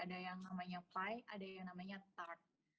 ada yang namanya pie ada yang namanya tart